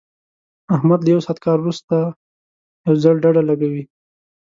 احمد له یو ساعت کار ورسته یو ځل ډډه لګوي.